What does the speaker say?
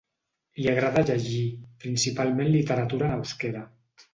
Li agrada llegir, principalment literatura en euskera.